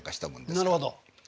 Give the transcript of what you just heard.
なるほど。